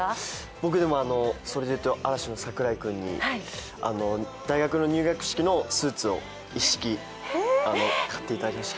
僕、それでいうと嵐の櫻井君に、大学の入学式のスーツを一式買っていただきました。